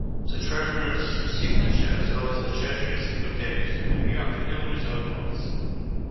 The Treasurer's signature, as well as the Treasury Secretary's, appear on Federal Reserve Notes.